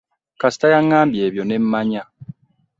Kasita yaŋŋambye ebyo ne mmanya.